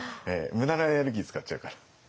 無駄なエネルギー使っちゃうから。